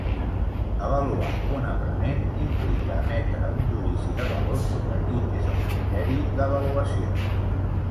Avaluar un aprenent implica emetre un judici de valor sobre quin és el criteri d'avaluació.